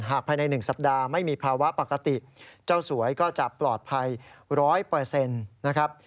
หากภายในหนึ่งสัปดาห์ไม่มีภาวะปกติเจ้าสวยก็จะปลอดภัยร้อยเปอร์เซ็นต์นะครับ